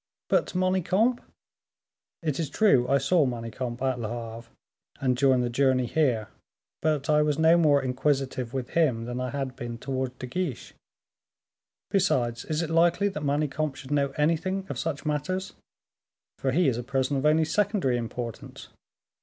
"But Manicamp?" "It is true I saw Manicamp at Le Havre, and during the journey here, but I was no more inquisitive with him than I had been towards De Guiche. Besides, is it likely that Manicamp should know anything of such matters? for he is a person of only secondary importance."